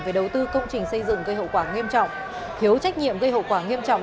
về đầu tư công trình xây dựng gây hậu quả nghiêm trọng thiếu trách nhiệm gây hậu quả nghiêm trọng